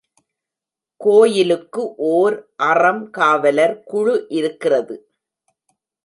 கோயிலுக்கு ஓர் அறம் காவலர் குழு இருக்கிறது.